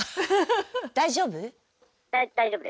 大丈夫？